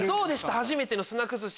初めての砂崩し。